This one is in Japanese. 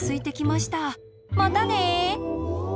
またね。